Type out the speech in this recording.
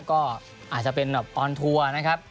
ก็อาจจะเป็นแบบออนทัวร์นะครับ